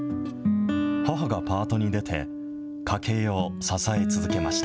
母がパートに出て、家計を支え続けました。